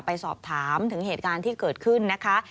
ไปสอบถามถึงเหตุการณ์ที่เกิดขึ้นนะคะ